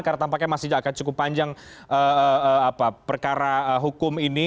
karena tampaknya masih akan cukup panjang perkara hukum ini